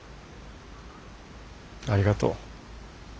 ありがとう。